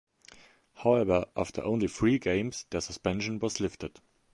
However, after only three games, their suspension was lifted.